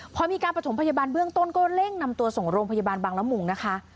พอมีการประถมพยาบาลเบื้องต้นก็เร่งนำตัวส่งโรงพยาบาลบางละมุงนะคะ